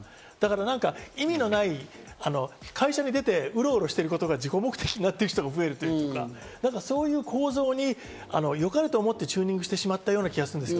意味のない会社に出てウロウロしてることが自己目的になってる人が増えるというか、そういう構造に良かれと思ってチューニングしてしまったような気がする。